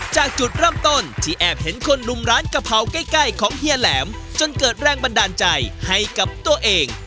จากจุดเริ่มต้นที่แอบเห็นคนรุมร้านกะเพราใกล้ของเฮียแหลมจนเกิดแรงบันดาลใจให้กับตัวเอง